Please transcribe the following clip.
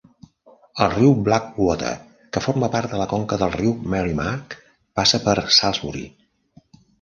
El riu Blackwater, que forma part de la conca del riu Merrimack, passa per Salisbury.